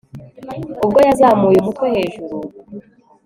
ubwo yazamuye umutwe hejuru